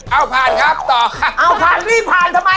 เอาผ่านครับต่อเอาผ่านรีบผ่านทำไม